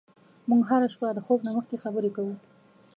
موږ هره شپه د خوب نه مخکې خبرې کوو.